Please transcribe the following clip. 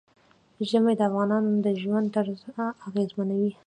ژمی د افغانانو د ژوند طرز اغېزمنوي.